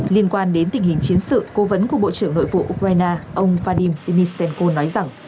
liên quan đến tình hình chiến sự cố vấn của bộ trưởng nội vụ ukraine ông vladim ishenko nói rằng